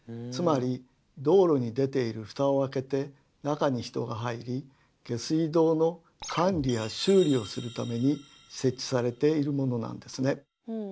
つまり道路に出ているフタを開けて中に人が入り下水道の管理や修理をするために設置されているものなんですね。